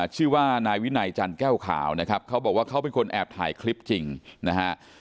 ชื่อว่านายวินัยจันทร์แก้วขาวนะครับเขาบอกว่าเขาเป็นคนแอบถ่ายคลิปจริงนะฮะ